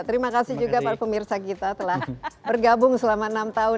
terima kasih juga para pemirsa kita telah bergabung selama enam tahun